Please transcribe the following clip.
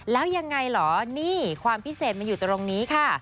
แล้วยังไงเหรอนี่ความพิเศษมันอยู่ตรงนี้ค่ะ